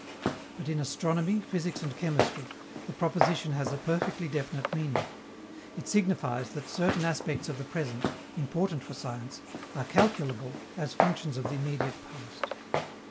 But in astronomy, physics, and chemistry the proposition has a perfectly definite meaning: it signifies that certain aspects of the present, important for science, are calculable as functions of the immediate past.